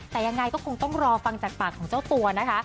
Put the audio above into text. แต่ยังไงก็คงต้องรอฟังจากปากของเจ้าตัวนะคะ